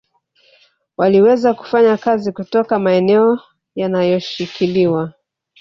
Waliweza kufanya kazi kutoka maeneo yanayoshikiliwa